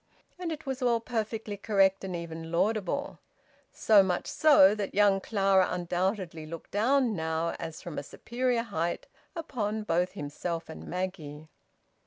And it was all perfectly correct and even laudable! So much so that young Clara undoubtedly looked down, now, as from a superior height, upon both himself and Maggie!